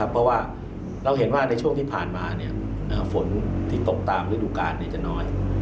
เพราะว่าเราเห็นว่าในช่วงที่ผ่านมาฝนที่ตกตามฤดูกาลจะน้อย